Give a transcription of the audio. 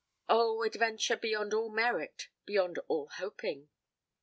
Oh, adventure beyond all merit, beyond all hoping!